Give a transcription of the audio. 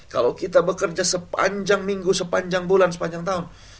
kalau kita bekerja sepanjang minggu sepanjang bulan sepanjang tahun